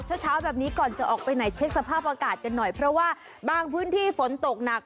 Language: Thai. เช้าแบบนี้ก่อนจะออกไปไหนเช็คสภาพอากาศกันหน่อยเพราะว่าบางพื้นที่ฝนตกหนัก